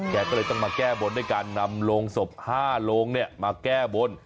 แกก็เลยต้องมาแก้บนด้วยการนำโรงศพ๕โลงมาแก้บน